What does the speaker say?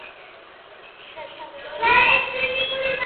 შესასვლელი სამია: დასავლეთიდან, სამხრეთიდან და ჩრდილოეთიდან.